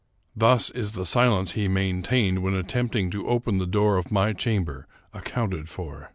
Thus is the silence he maintained when attempting to open the door of my chamber, ac counted for.